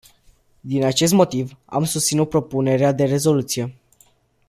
Din acest motiv, am susținut propunerea de rezoluție.